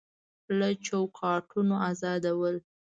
له چوکاټونو ازادول